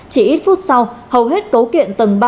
chỉ ít phút sau hầu hết cấu kiện tầng ba